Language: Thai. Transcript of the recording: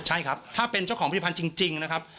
ใช่ครับถ้าเป็นเจ้าของผลิตภัณฑ์จริงนะครับ